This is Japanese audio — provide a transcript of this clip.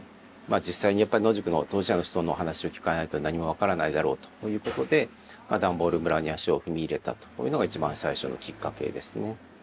実際に野宿の当事者の人の話を聞かないと何も分からないだろうということでダンボール村に足を踏み入れたというのが一番最初のきっかけですね。